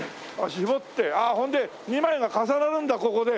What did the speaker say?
絞ってあっほんで２枚が重なるんだここで。